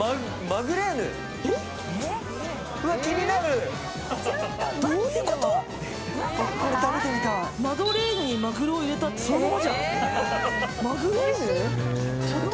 マドレーヌにマグロを入れたってそのままじゃん。